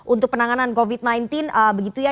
untuk penanganan covid sembilan belas begitu ya